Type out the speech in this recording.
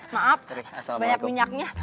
maaf banyak minyaknya